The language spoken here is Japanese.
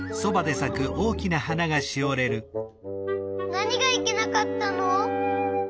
なにがいけなかったの？